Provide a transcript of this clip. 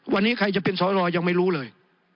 วันนี้ใครจะเป็นสอรยังไม่รู้เลย